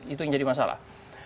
itu yang jadi masalah